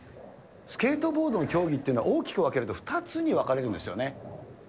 スケートボードの競技っていうのは、大きく分けると２つに分かれるんですよね？